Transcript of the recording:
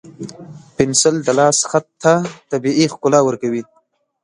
پنسل د لاس خط ته طبیعي ښکلا ورکوي.